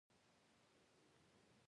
ستا دا کوچنۍ کونه ګوره دا دروند کار وګوره.